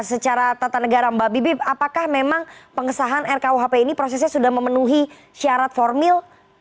secara tata negara mbak bibi apakah memang pengesahan rkuhp ini prosesnya sudah memenuhi syarat formil